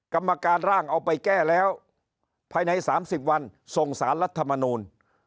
กรรมการร่างเอาไปแก้แล้วภายใน๓๐วันส่งสารรัฐมนูล